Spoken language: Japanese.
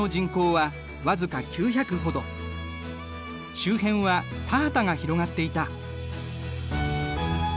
周辺は田畑が広がっていた。